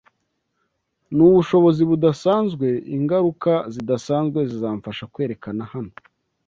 Nubushobozi budasanzwe ingaruka zidasanzwe zizamfasha kwerekana hano